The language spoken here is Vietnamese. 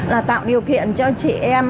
là tạo điều kiện cho chị em